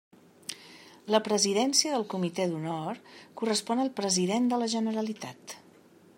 La presidència del Comité d'Honor correspon al president de la Generalitat.